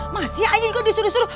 masih aja kok disuruh suruh